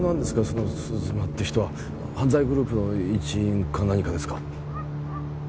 その鈴間って人は犯罪グループの一員か何かですか？